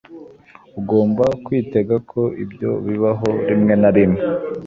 Ugomba kwitega ko ibyo bibaho rimwe na rimwe.